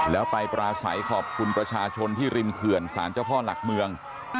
แล้วไปปราศัยขอบคุณประชาชนที่ริมเขื่อนสารเจ้าพ่อหลักเมือง